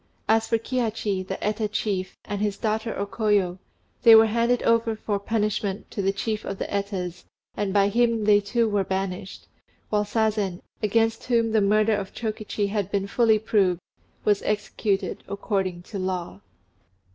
As for Kihachi, the Eta chief, and his daughter O Koyo, they were handed over for punishment to the chief of the Etas, and by him they too were banished; while Sazen, against whom the murder of Chokichi had been fully proved, was executed according to law.